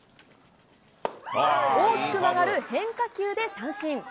大きく曲がる変化球で三振。